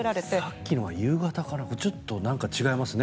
さっきのは夕方からちょっと違いますね。